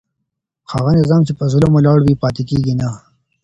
هغه نظام چي په ظلم ولاړ وي پاتیږي نه.